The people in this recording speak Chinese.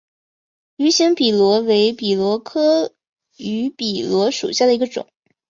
芋形笔螺为笔螺科芋笔螺属下的一个种。